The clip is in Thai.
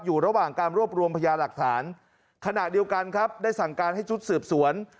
อยู่ระหว่างการรวบรวมพยาหลักฐานขณะเดียวกันครับได้สั่งการให้ชุดสืบสวน